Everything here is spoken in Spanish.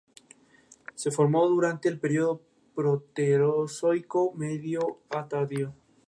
Se formó durante el período Proterozoico medio a tardío.